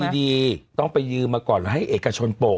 ดีต้องไปยืมมาก่อนแล้วให้เอกชนปก